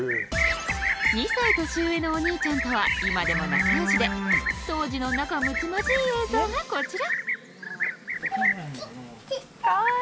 ２歳年上のお兄ちゃんとは今でも仲良しで当時の仲睦まじい映像がこちらかわいい。